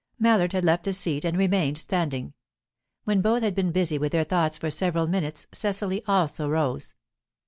Mallard had left his seat, and remained standing. When both had been busy with their thoughts for several minutes, Cecily also rose.